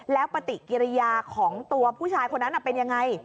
แล้วปฏิกิริยาของตัวผู้ชายคนนั้นเป็นยังไง